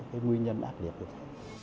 cái nguyên nhân ác liệt của nó